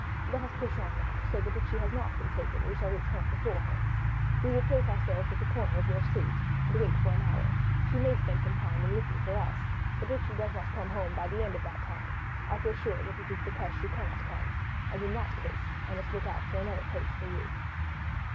Let us push on now, so that if she has not been taken we shall reach home before her. We will place ourselves at the corner of your street and wait for an hour; she may spend some time in looking for us, but if she does not come by the end of that time I shall feel sure that it is because she cannot come, and in that case I must look out for another place for you."